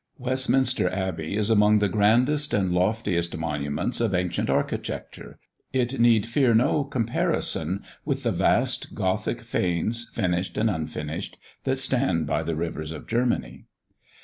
Westminster Abbey is among the grandest and loftiest monuments of ancient architecture; it need fear no comparison, with the vast gothic fanes, finished and unfinished, that stand by the rivers of Germany.